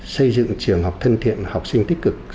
xây dựng trường học thân thiện học sinh tích cực